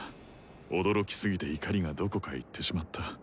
驚きすぎて怒りがどこかへ行ってしまった。